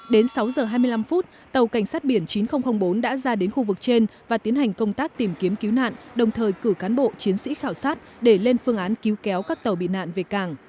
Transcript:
đến sáu giờ hai mươi năm phút tàu cảnh sát biển chín nghìn bốn đã ra đến khu vực trên và tiến hành công tác tìm kiếm cứu nạn đồng thời cử cán bộ chiến sĩ khảo sát để lên phương án cứu kéo các tàu bị nạn về cảng